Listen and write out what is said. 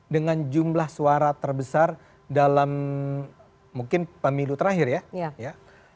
dengan jumlah suara terbesar dalam mungkin pemilu terakhir ya